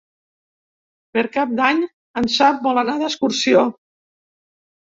Per Cap d'Any en Sam vol anar d'excursió.